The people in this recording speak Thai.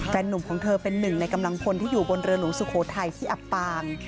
แฟนนุ่มของเธอเป็นหนึ่งในกำลังคนที่อยู่บนเรือหนูสุโคไทยที่อัปปาล์ม